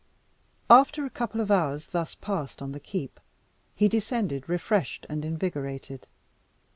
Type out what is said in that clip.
After a couple of hours thus passed on the keep, he descended refreshed and invigorated.